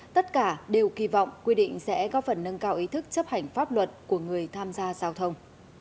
tất cả đều kỳ vọng quy định sẽ có phần nâng cao ý thức chấp hành pháp luật của người tham gia giao thông